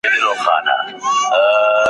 جهاني به له دېوان سره وي تللی ,